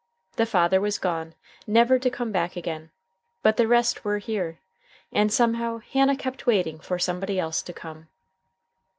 The father was gone, never to come back again. But the rest were here. And somehow Hannah kept waiting for somebody else to come.